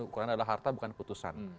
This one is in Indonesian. ukuran adalah harta bukan putusan